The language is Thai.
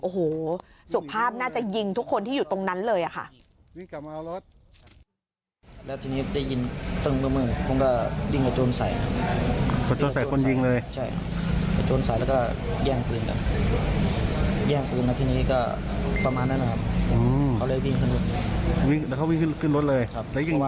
โอ้โหสุภาพน่าจะยิงทุกคนที่อยู่ตรงนั้นเลยค่ะ